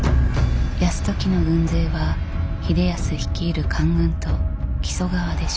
泰時の軍勢は秀康率いる官軍と木曽川で衝突。